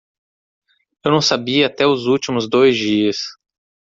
Eu não sabia até os últimos dois dias.